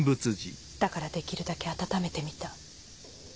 だからできるだけ温めてみた。